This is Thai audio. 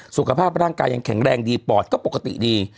สุขภาพร่างกายยังแข็งแรงดีปอดก็ปกติดี